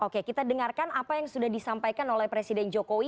oke kita dengarkan apa yang sudah disampaikan oleh presiden jokowi